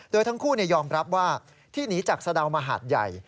โดยทั้งคู่ยอมรับว่าที่หนีจากสะดาวมหาดใหญ่